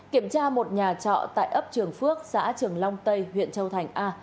kiểm tra một nhà trọ tại ấp trường phước xã trường long tây huyện châu thành a